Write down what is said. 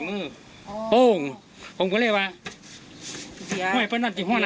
แล้วก็นี่งไปทางด้านกระบะตุกทางใส่มือ